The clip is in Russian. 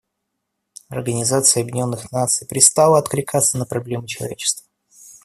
Организация Объединенных Наций перестала откликаться на проблемы человечества.